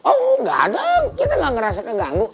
oh gak ada kita gak ngerasa keganggu